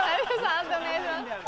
判定お願いします。